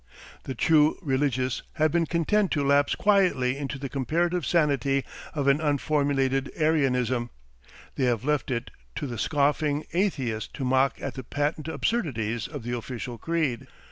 The truly religious have been content to lapse quietly into the comparative sanity of an unformulated Arianism, they have left it to the scoffing Atheist to mock at the patent absurdities of the official creed.